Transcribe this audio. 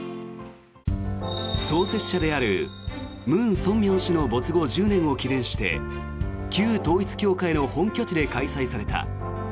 創設者であるムン・ソンミョン氏の没後１０年を記念して旧統一教会の本拠地で開催された。